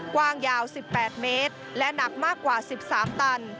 กว้างยาว๑๘เมตรและหนักมากกว่า๑๓ตัน